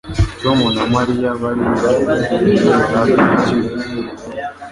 Tom na Mariya bari bicaye ku ntebe hafi yicyuzi.